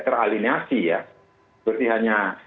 teraliniasi ya berarti hanya